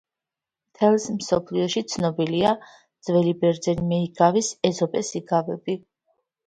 მთელ მსოფლიოში ცნობილია ძველი ბერძენი მეიგავის - ეზოპეს იგავები